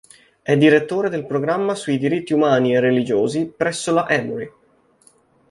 È direttore del programma sui Diritti Umani e Religiosi presso la Emory.